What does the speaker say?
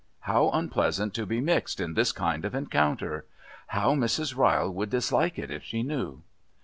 How unpleasant to be mixed in this kind of encounter! How Mrs. Ryle, would dislike it if she knew!